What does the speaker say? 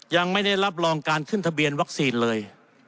ยังไม่ได้รับรองการขึ้นทะเบียนวัคซีนเลย